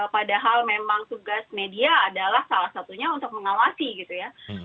padahal memang tugas media adalah salah satunya untuk mengawasi gitu ya